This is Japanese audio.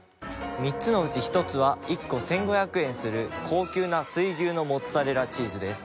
３つのうち１つは１個１５００円する高級な水牛のモッツァレラチーズです。